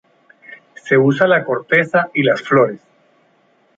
Se usa la corteza y las flores.